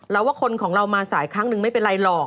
แล้วว่าคนของเรามาสายครั้งนึงไม่เป็นไรหรอก